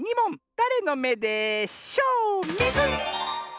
だれのめでショー⁉ミズン！